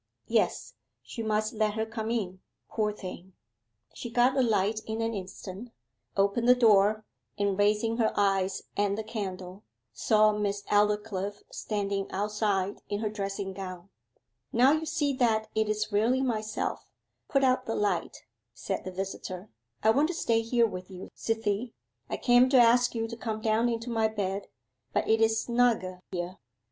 Yes; she must let her come in, poor thing. She got a light in an instant, opened the door, and raising her eyes and the candle, saw Miss Aldclyffe standing outside in her dressing gown. 'Now you see that it is really myself; put out the light,' said the visitor. 'I want to stay here with you, Cythie. I came to ask you to come down into my bed, but it is snugger here.